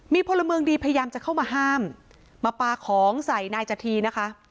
มีพลเมืองดีพยายามจะเข้ามาห้ามมาปลาของใส่นายจธีนะคะ